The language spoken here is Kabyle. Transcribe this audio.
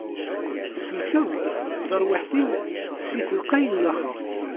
Tsellkeḍ-d tarwiḥt-iw si telqay n laxert.